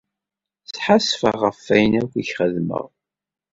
Sḥassfeɣ ɣef ayen akk i k-xedmeɣ.